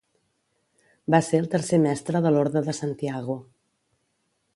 Va ser el tercer mestre de l'Orde de Santiago.